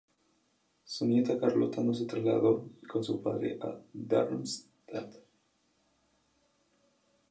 Su nieta Carlota no se trasladó con su padre a Darmstadt.